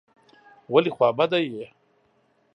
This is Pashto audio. ولي خوابدی یې ؟